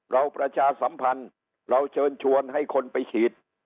ประชาสัมพันธ์เราเชิญชวนให้คนไปฉีด